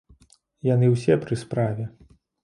Яны ўсе пры справе.